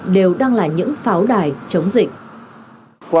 đều đang là những pháo đài chống dịch